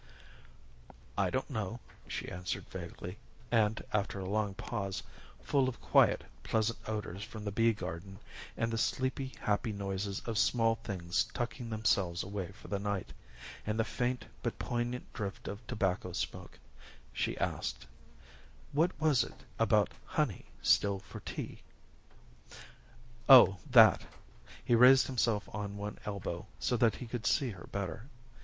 "I don't know," she answered vaguely, and after a long pause, full of quiet, pleasant odors from the bee garden, and the sleepy happy noises of small things tucking themselves away for the night, and the faint but poignant drift of tobacco smoke, she asked: "What was it about 'honey still for tea'?" "Oh, that!" He raised himself on one elbow so that he could see her better.